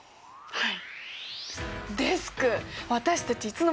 はい。